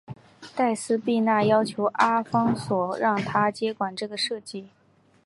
黛丝碧娜要求阿方索让她接管这个计画。